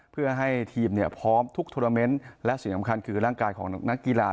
เพื่อให้ทีมพร้อมทุกทวนาเมนต์และสิ่งสำคัญคือร่างกายของนักกีฬา